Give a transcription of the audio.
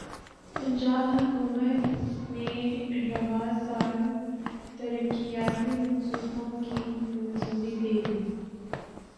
پنجاب حکومت نے رواں سال ترقیاتی منصوبوں کی منظوری دیدی